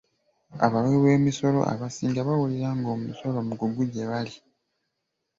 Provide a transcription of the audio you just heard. Abawiboomisolo abasinga bawulira ng'omusolo mugugu gye bali.